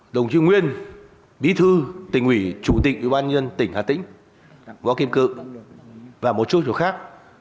đồng chí nguyên bí thư tỉnh ủy chủ tịch ủy ban nhân tỉnh hà tĩnh võ kim cự và một số chủ khác